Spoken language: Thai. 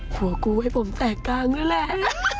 หัวกูไว้ผมแตกต่างแล้วแหละ